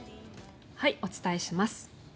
お伝えします。